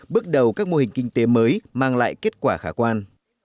bước đầu các mô hình kinh tế mới mang lại kết quả khả quan